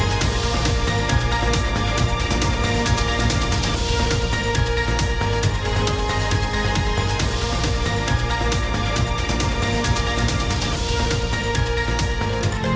โปรดติดตามตอนต่อไป